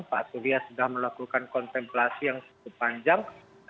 pak surya sudah melakukan kontemplasi yang cukup panjang